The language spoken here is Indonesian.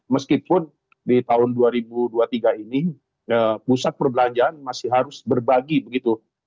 meskipun di tahun dua ribu dua puluh tiga ini pusat perbelanjaan masih harus berbagi begitu